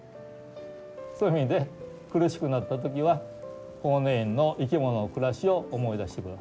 そういう意味で苦しくなった時は法然院の生き物の暮らしを思い出して下さい。